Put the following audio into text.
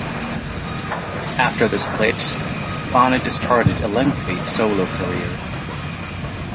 After the split, Bonnet started a lengthy solo career.